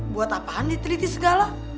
buat apaan diteliti segala